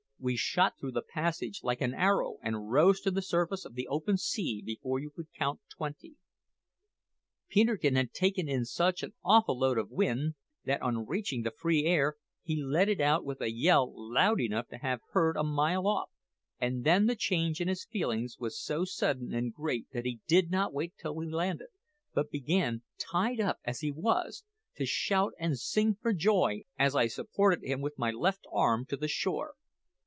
We shot through the passage like an arrow, and rose to the surface of the open sea before you could count twenty. "Peterkin had taken in such an awful load of wind that, on reaching the free air, he let it out with a yell loud enough to have been heard a mile off; and then the change in his feelings was so sudden and great that he did not wait till we landed, but began, tied up as he was, to shout and sing for joy as I supported him with my left arm to the shore.